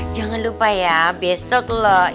jangan lupa ya besok loh